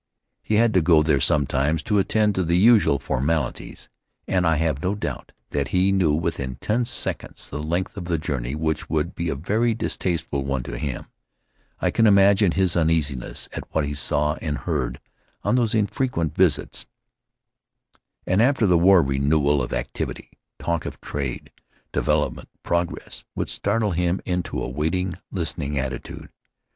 He had to go there sometimes to attend to the usual formalities, and I have no doubt that he knew within ten seconds the length of the journey which would be a very distasteful one to him. I can imagine his uneasiness at what he saw and heard on 3 Faery Lands of the South Seas those infrequent visits. An after the war renewal of activity, talk of trade, development, progress, would startle him into a waiting, listening attitude.